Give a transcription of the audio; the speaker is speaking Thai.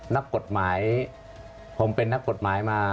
นักกฎหมายผมเป็นนักกฎหมายมา